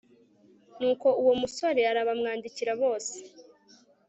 nuko uwo musore arabamwandikira bose